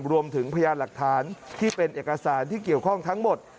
พยานหลักฐานที่เป็นเอกสารที่เกี่ยวข้องทั้งหมด